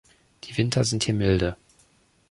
Die Winter sind hier milde.